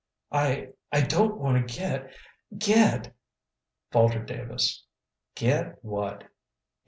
"I I don't want to get get " faltered Davis. "Get what?"